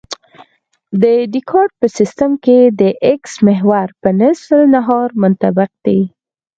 د دیکارت په سیستم کې د اکس محور په نصف النهار منطبق دی